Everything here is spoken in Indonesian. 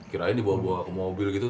kirain dibawa bawa ke mobil gitu